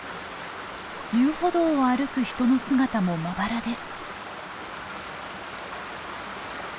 遊歩道を歩く人の姿もまばらです。